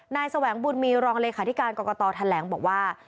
นายสวีสะวงบุญมีรองเลยขาลิการกรกตแถมแหลงบอกว่า